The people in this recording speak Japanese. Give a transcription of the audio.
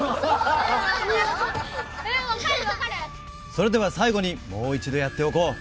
それでは最後にもう一度やっておこう。